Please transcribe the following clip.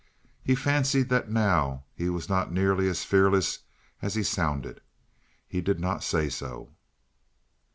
He fancied that now he was not nearly as fearless as he sounded. He did not say so.